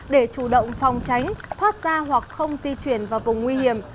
để chủ động phòng tránh thoát ra hoặc không di chuyển vào vùng nguy hiểm